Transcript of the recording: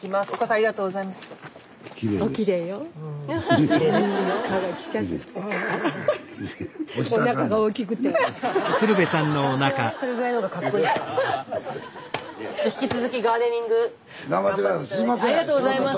ありがとうございます。